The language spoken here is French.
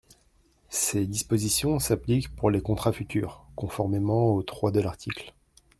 Ces dispositions s’appliquent pour les contrats futurs, conformément au trois de l’article.